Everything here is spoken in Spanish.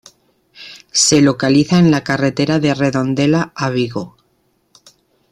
Se localiza en la carretera de Redondela a Vigo.